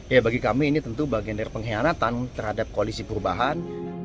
ya bagi kami ini tentu bagian dari pengkhianatan terhadap koalisi perubahan